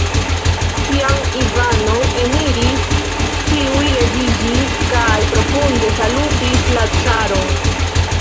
Kiam Ivano eniris, ĉiuj leviĝis kaj profunde salutis la caron.